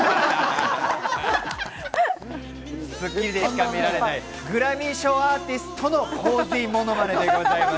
『スッキリ』でしか見られない、グラミー賞アーティストの浩次モノマネでございます。